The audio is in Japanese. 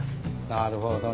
なるほどな。